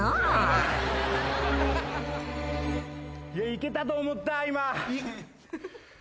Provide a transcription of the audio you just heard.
いけたと思った今。